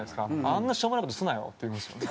「あんなしょうもない事すなよ」って言うんですよね。